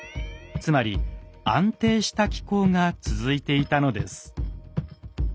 つまり安定した気候が続いていたのです。